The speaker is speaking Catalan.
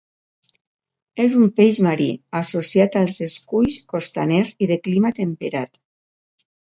És un peix marí, associat als esculls costaners i de clima temperat.